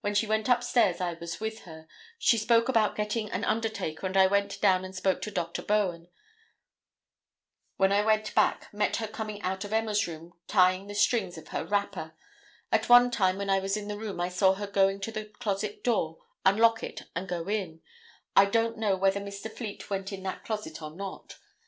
When she went upstairs I was with her; she spoke about getting an undertaker and I went down and spoke to Dr. Bowen; when I went back, met her coming out of Emma's room tying the strings of her wrapper; at one time when I was in the room I saw her going to the closet door, unlock it and go in; I don't know whether Mr. Fleet went in that closet or not.